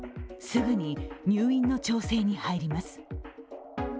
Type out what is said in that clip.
すぐに入院の調整に入ります。